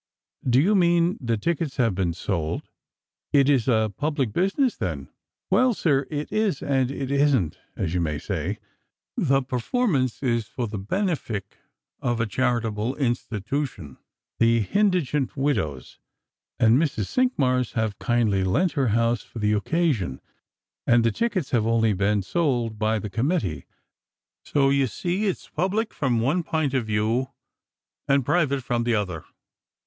" Do you mean that tickets have been sold ? It iB a public business, then?" " Well, sir, it is and it isn't, aa you may say. The perform ance is for the benefick of a charitable institooshun — the hindignant widows, and Mrs. Cinkmarsh have kindly lent her 'ouse for the occasion, and the tickets have been only sold by th(j committee, so you see it's public from one pint of view, and private from the other."